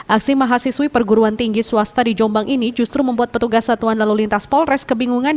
aksi mahasiswi perguruan tinggi swasta di jombang ini justru membuat petugas satuan lalu lintas polres kebingungan